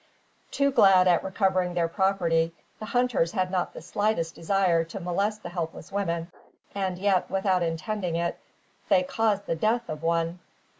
Too glad at recovering their property, the hunters had not the slightest desire to molest the helpless women, and yet, without intending it, they caused the death of one.